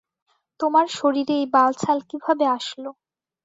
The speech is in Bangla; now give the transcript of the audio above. তোমার শরীরে এই বাল-ছাল কীভাবে আসলো?